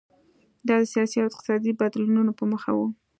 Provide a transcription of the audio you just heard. دا د سیاسي او اقتصادي بدلونونو په موخه و.